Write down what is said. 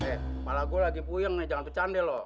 eh kepala gue lagi puyeng nih jangan kecandel loh